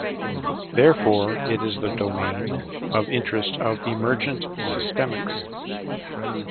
Therefore, it is the domain of interest of emergent systemics.